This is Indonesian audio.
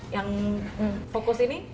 yang fokus ini